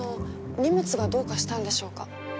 荷物がどうかしたんでしょうか？